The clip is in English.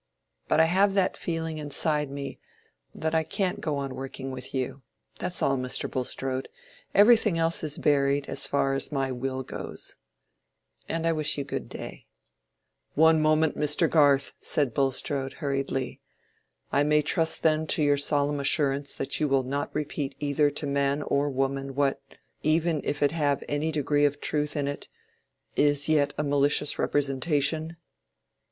But I have that feeling inside me, that I can't go on working with you. That's all, Mr. Bulstrode. Everything else is buried, so far as my will goes. And I wish you good day." "One moment, Mr. Garth!" said Bulstrode, hurriedly. "I may trust then to your solemn assurance that you will not repeat either to man or woman what—even if it have any degree of truth in it—is yet a malicious representation?"